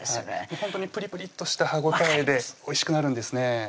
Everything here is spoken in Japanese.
ほんとにプリプリッとした歯応えでおいしくなるんですね